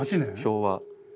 昭和。